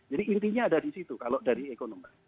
jadi intinya ada di situ kalau dari ekonomi